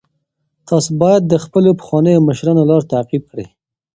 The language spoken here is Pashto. تاسي باید د خپلو پخوانیو مشرانو لار تعقیب کړئ.